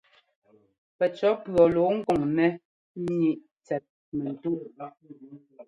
Pɛcʉ̈ɔ́ pʉ̈ɔ lɔ ŋkoŋ nɛ́ ŋíʼ tsɛt mɛ́ntúʼ.